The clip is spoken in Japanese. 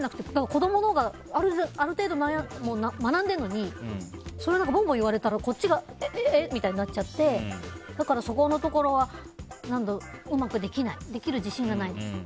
子供のほうがある程度、学んでるのにポンポン言われたらこっちがえみたいになっちゃってだからそこのところはうまくできる自信がないです。